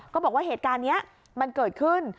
ก็บอกว่าเหตุการณ์นี้มันเกิดขึ้น